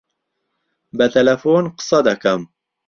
بە تەلەفۆن قسە دەکەم.